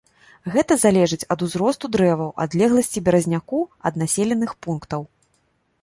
Гэта залежыць ад узросту дрэваў, адлегласці беразняку ад населеных пунктаў.